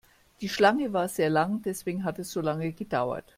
Die Schlange war sehr lang, deswegen hat es so lange gedauert.